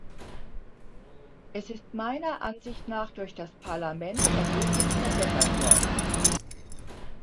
Es ist meiner Ansicht nach durch das Parlament erheblich verbessert worden.